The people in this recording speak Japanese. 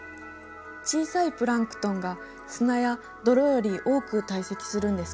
小さいプランクトンが砂や泥より多く堆積するんですか？